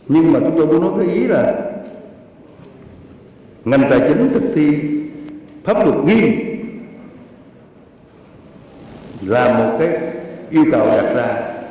nhưng mà chúng tôi đối với ý là ngành tài chính thực thi pháp luật nghi là một cái yêu cầu đặt ra